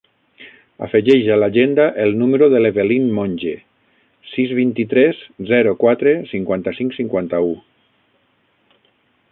Afegeix a l'agenda el número de l'Evelyn Monge: sis, vint-i-tres, zero, quatre, cinquanta-cinc, cinquanta-u.